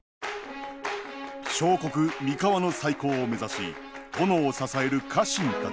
小国三河の再興を目指し殿を支える家臣たち。